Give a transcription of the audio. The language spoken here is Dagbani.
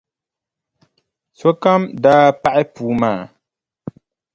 Sokam daa paɣi puu maa.